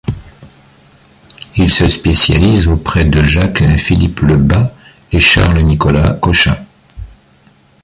Il se spécialise auprès de Jacques-Philippe Le Bas et Charles-Nicolas Cochin.